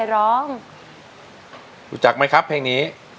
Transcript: รู้จักไหมครับเพลงนี้